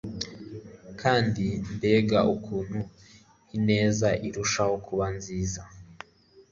Kandi mbega ukuntu ineza irushaho kuba nziza